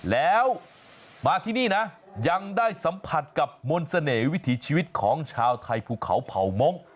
แล้วมาที่นี่นะยังได้สัมผัสกับมนต์เสน่ห์วิถีชีวิตของชาวไทยภูเขาเผ่ามงค์